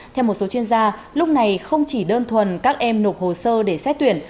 theo một số chuyên gia lúc này không chỉ đơn thuần các em nộp hồ sơ để xét tuyển